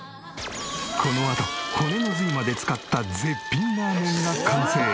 このあと骨の髄まで使った絶品ラーメンが完成。